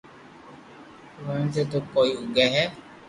وڻ تي تو ڪوئي اوگي ھي